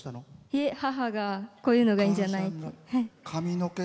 いえ、母が、こういうのがいいんじゃないかって。